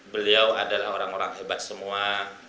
beliau adalah orang orang hebat semua